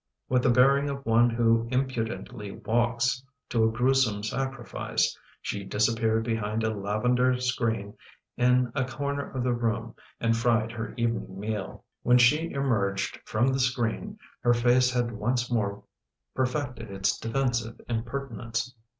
With the bearing of one who impudently walks to a gruesome sac rifice she disappeared behind a lavendar screen in a corner of the room and fried her evening meal. When she [so] emerged from the screen her face had once more per fected its defensive impertinence.